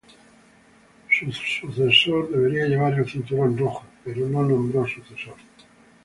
Su sucesor debería llevar el cinturón rojo pero no nombró sucesor.